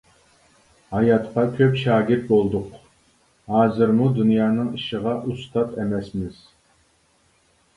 ھاياتقا كۆپ شاگىرت بولدۇق، ھازىرمۇ، دۇنيانىڭ ئىشىغا ئۇستات ئەمەسمىز.